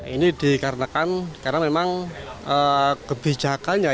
ini dikarenakan karena memang kebijakannya